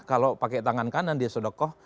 kalau pakai tangan kanan dia sodokoh